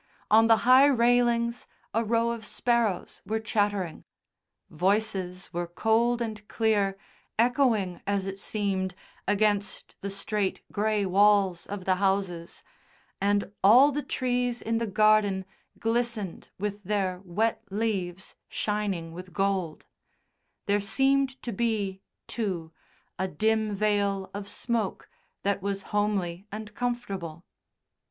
on the high railings, a row of sparrows were chattering. Voices were cold and clear, echoing, as it seemed, against the straight, grey walls of the houses, and all the trees in the garden glistened with their wet leaves shining with gold; there seemed to be, too, a dim veil of smoke that was homely and comfortable.